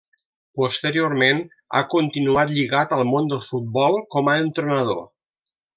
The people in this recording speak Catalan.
Posteriorment ha continuat lligat al món del futbol com a entrenador.